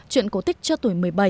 chuyện cổ tích cho tuổi một mươi bảy